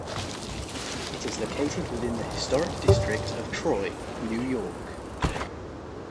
It is located within the historic district of Troy, New York.